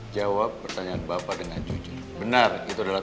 jawab pertanyaan bapak dengan jujur benar itu adalah